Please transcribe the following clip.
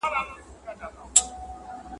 بابا مه گوره، خورجين ئې گوره.